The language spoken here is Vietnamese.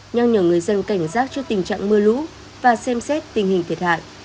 nhằm nhờ người dân cảnh giác trước tình trạng mưa lũ và xem xét tình hình thiệt hại